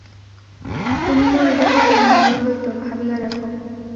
তুমি মরিলে কত মঙ্গল হইত ভাবিয়া দেখো।